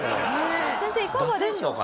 先生いかがでしょうか？